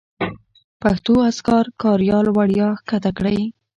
پښتو اذکار کاریال وړیا کښته کړئ